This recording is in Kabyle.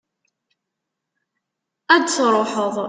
ad truḥeḍ